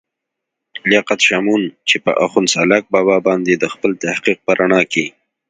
لياقت شمعون، چې پۀ اخون سالاک بابا باندې دَخپل تحقيق پۀ رڼا کښې